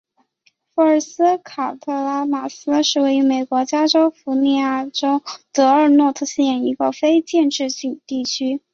福尔斯卡拉马斯是位于美国加利福尼亚州德尔诺特县的一个非建制地区。